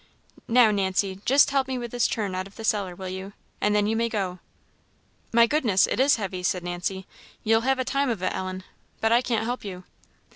"Now, Nancy, just help me with this churn out of the cellar, will you? and then you may go." "My goodness! it is heavy," said Nancy. "You'll have a time of it, Ellen; but I can't help you."